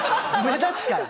目立つから。